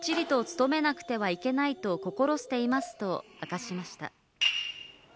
きっちりとつとめなくてはいけないと心していますと明かしました。